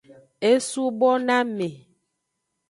E subo na me.